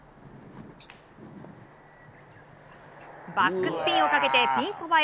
バックスピンをかけてピンそばへ。